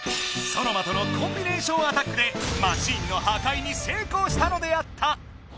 ソノマとのコンビネーションアタックでマシンのはかいにせいこうしたのであった。